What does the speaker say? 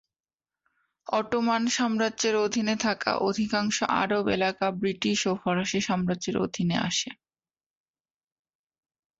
Ottoman সাম্রাজ্যের অধীনে থাকা অধিকাংশ আরব এলাকা ব্রিটিশ ও ফরাসি সাম্রাজ্যের অধীনে আসে।